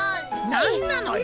何なのよ